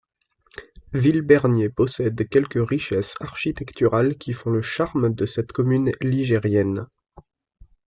Villebernier possède quelques richesses architecturales qui font le charme de cette commune ligérienne.